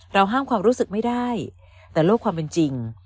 ห้ามความรู้สึกไม่ได้แต่โลกความเป็นจริง